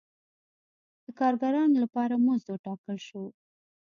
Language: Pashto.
د کارګرانو لپاره مزد وټاکل شو.